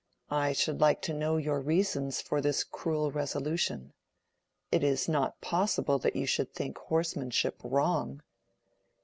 "I should like to know your reasons for this cruel resolution. It is not possible that you should think horsemanship wrong."